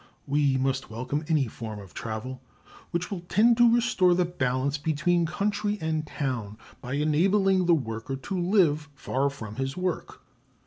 We must welcome any form of travel which will tend to restore the balance between country and town by enabling the worker to live far from his work.